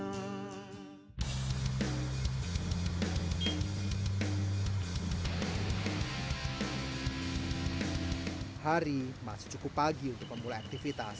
hari masih cukup pagi untuk memulai aktivitas